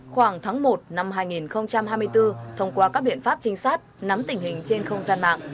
khoảng tháng một năm hai nghìn hai mươi bốn thông qua các biện pháp trinh sát nắm tình hình trên không gian mạng